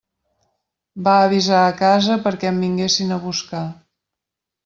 Va avisar a casa perquè em vinguessin a buscar.